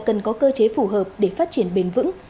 cần có cơ chế phù hợp để phát triển bền vững